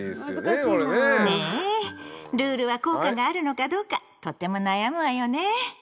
ルールは効果があるのかどうかとっても悩むわよね。